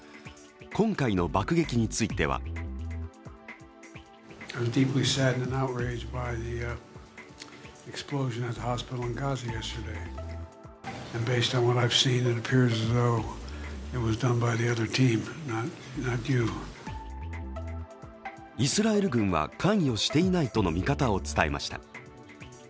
今回の爆撃についてはイスラエル軍は関与していないとの見方を伝えました。